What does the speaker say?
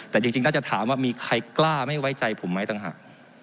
แต่จริงน่าจะถามว่ามีใครกล้าไม่ไว้ใจผมไหมต่างหาก